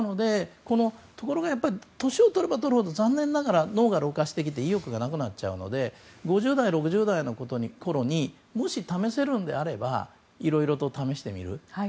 ところが、年をとればとるほど脳が低下して意欲がなくなっちゃうので５０代、６０代のころにもし試せるのであればいろいろと試してみる。